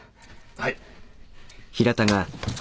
はい。